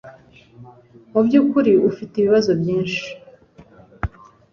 Mubyukuri ufite ibibazo byinshi.